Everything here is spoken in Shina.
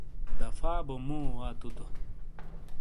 دفا بو مو واتو تو۔